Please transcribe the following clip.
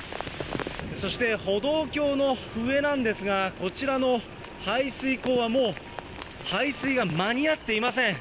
そして歩道橋の上なんですが、こちらの排水溝はもう、排水が間に合っていません。